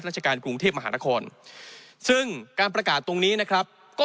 ราชการกรุงเทพมหานครซึ่งการประกาศตรงนี้นะครับก็